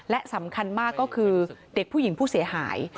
และสำคัญมากก็คือเด็กผู้หญิงผู้เสียหาย